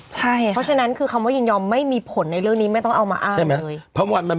เพราะฉะนั้นคือคำว่ายินยอมไม่มีผลในเรื่องนี้ไม่ต้องเอามาอ้างใช่ไหม